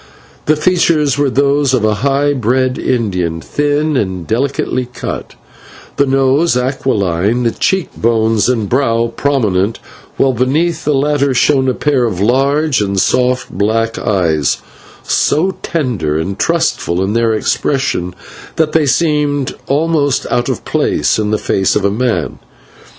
The features were those of a high bred Indian, thin and delicately cut; the nose aquiline, the cheek bones and brow prominent, while beneath the latter shone a pair of large and soft black eyes, so tender and trustful in their expression that they seemed almost out of place in the face of a man.